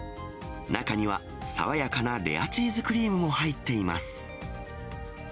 中には、爽やかなレアチーズクリームも入っています。